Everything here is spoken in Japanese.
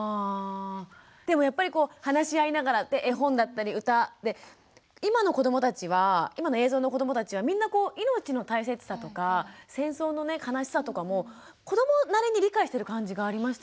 でもやっぱりこう話し合いながら絵本だったり歌今の子どもたちは今の映像の子どもたちはみんなこう命の大切さとか戦争の悲しさとかも子どもなりに理解してる感じがありましたよね。